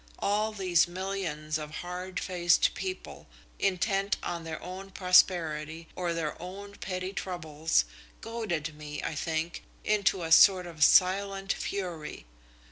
All these millions of hard faced people, intent on their own prosperity or their own petty troubles, goaded me, I think, into a sort of silent fury.